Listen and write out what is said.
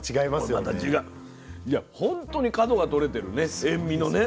いや本当に角がとれてるね塩味のね。